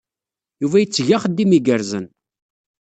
Yuba itteg axeddim igerrzen.